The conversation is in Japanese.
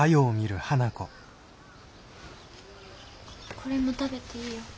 これも食べていいよ。